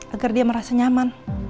agar dia merasa nyaman